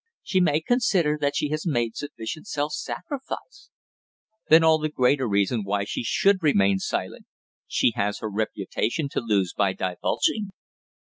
"She may consider that she has made sufficient self sacrifice?" "Then all the greater reason why she should remain silent. She has her reputation to lose by divulging."